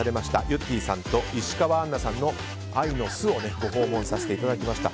ゆってぃさんと石川あんなさんの愛の巣をご訪問させていただきました。